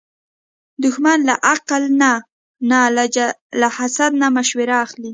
دښمن له عقل نه نه، له حسد نه مشوره اخلي